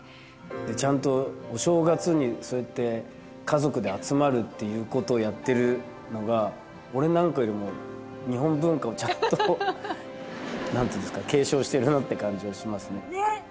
ちゃんとお正月にそうやって家族で集まるっていうことをやっているのが俺なんかよりも日本文化をちゃんと何て言うんですか継承してるなって感じがしますね。